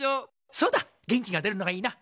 そうだ元気が出るのがいいな。